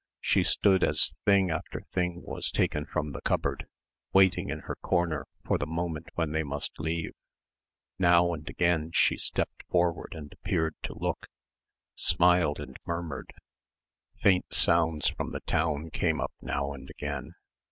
She stood as thing after thing was taken from the cupboard, waiting in her corner for the moment when they must leave. Now and again she stepped forward and appeared to look, smiled and murmured. Faint sounds from the town came up now and again.